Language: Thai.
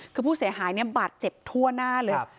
คือผู้เสียหายเนี่ยบาดเจ็บทั่วหน้าเลย